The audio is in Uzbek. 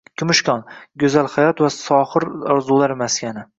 Kumushkon – go‘zal hayot va sohir orzular maskani